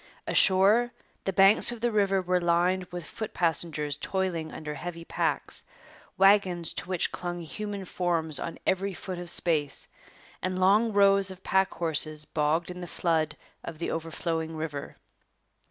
Ashore, the banks of the river were lined with foot passengers toiling under heavy packs, wagons to which clung human forms on every foot of space, and long rows of pack horses bogged in the flood of the overflowing river.